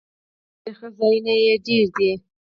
تاریخي ځایونه یې ډیر دي.